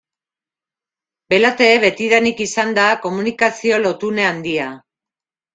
Belate betidanik izan da komunikazio lotune handia.